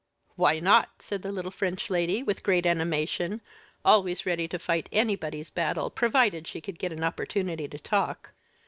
"Why not?" said the little French lady, with great animation, always ready to fight anybody's battle, provided she could get an opportunity to talk.